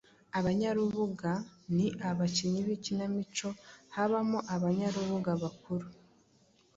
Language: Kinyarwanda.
Abanyarubuga: Ni abakinnyi b’ikinamico, habamo abanyarubuga bakuru